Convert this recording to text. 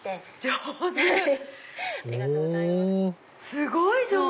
すごい上手！